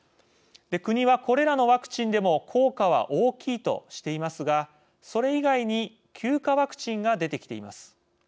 国は、これらのワクチンでも効果は大きいとしていますがそれ以外に９価ワクチンが出てきています。